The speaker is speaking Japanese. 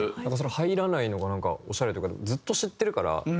入らないのがオシャレっていうかずっと知ってるから。